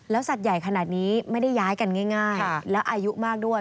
สัตว์ใหญ่ขนาดนี้ไม่ได้ย้ายกันง่ายแล้วอายุมากด้วย